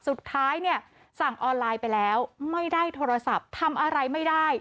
สุดท้ายเนี่ยสั่งออนไลน์ไปแล้วไม่ได้โทรศัพท์ทำอะไรไม่ได้